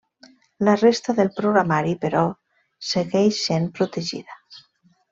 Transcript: La resta del programari, però, segueix sent protegida.